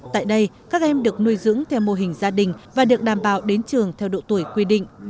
tại đây các em được nuôi dưỡng theo mô hình gia đình và được đảm bảo đến trường theo độ tuổi quy định